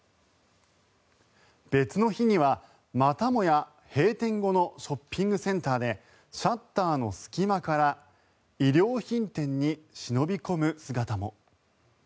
別の日には、またもや閉店後のショッピングセンターでシャッターの隙間から衣料品店に忍び込む姿も。